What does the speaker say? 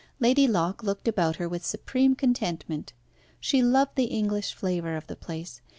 Lady Locke looked about her with supreme contentment. She loved the English flavour of the place.